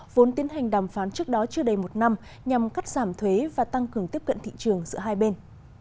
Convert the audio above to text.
vốn tiến hành đàm phán trước đó chưa đầy một năm nhằm cắt giảm thuế và tăng cường tiếp cận thị trường giữa hai bên